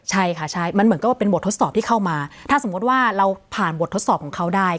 ใช่ค่ะใช่มันเหมือนกับว่าเป็นบททดสอบที่เข้ามาถ้าสมมุติว่าเราผ่านบททดสอบของเขาได้